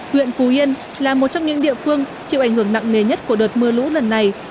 huyện phú yên là một trong những địa phương chịu ảnh hưởng nặng nề nhất của đợt mưa lũ lần này